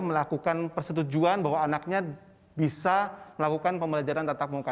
melakukan persetujuan bahwa anaknya bisa melakukan pembelajaran tetap muka